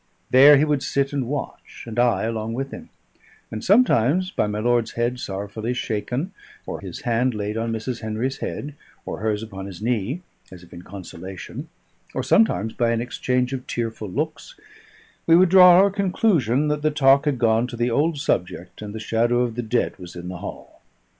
There he would sit and watch, and I along with him; and sometimes by my lord's head sorrowfully shaken, or his hand laid on Mrs. Henry's head, or hers upon his knee as if in consolation, or sometimes by an exchange of tearful looks, we would draw our conclusion that the talk had gone to the old subject and the shadow of the dead was in the hall.